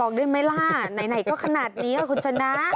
ได้ไหมล่ะไหนก็ขนาดนี้ค่ะคุณชนะ